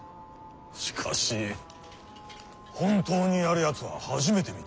しかし本当にやるやつは初めて見た。